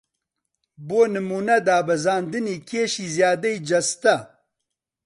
بۆ نموونە دابەزاندنی کێشی زیادەی جەستە